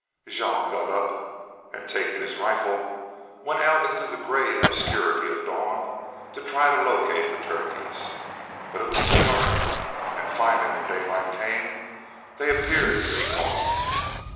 Jean got up, and taking his rifle went out into the gray obscurity of dawn to try to locate the turkeys. But it was too dark, and finally when daylight came they appeared to be gone.